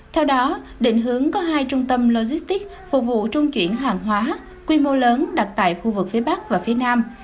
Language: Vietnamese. theo đó định hướng có hai trung tâm logistics phục vụ trung chuyển hàng hóa quy mô lớn đặt tại khu vực phía bắc và phía nam